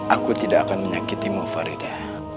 aku tidak akan menyakitimu farida